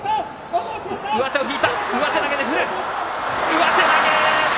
上手投げ。